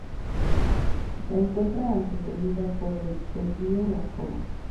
Se encuentra antecedida por el Desvío Las Colas.